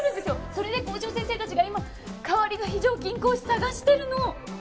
それで校長先生たちが今代わりの非常勤講師探してるの！